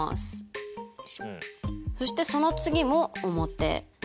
そしてその次も表。